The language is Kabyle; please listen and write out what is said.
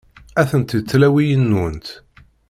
Atenti tlawiyin-nwent.